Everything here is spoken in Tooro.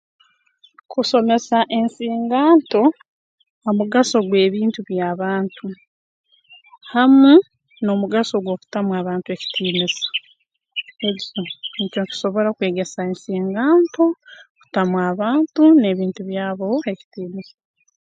Kusomesa ensinganto ha mugaso gw'ebintu by'abantu hamu n'omugaso gw'okutamu abantu ekitiinisa mh nkiba nkisobora kwegesa ensinganto kutamu abantu n'ebintu byabo ekitiinisa